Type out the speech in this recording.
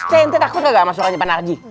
tentu takut gak sama suaranya pak narci